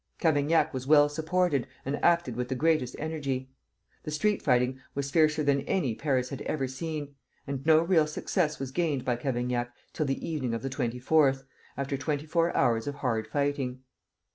Cavaignac was well supported, and acted with the greatest energy. The street fighting was fiercer than any Paris had ever seen, and no real success was gained by Cavaignac till the evening of the 24th, after twenty four hours of hard fighting.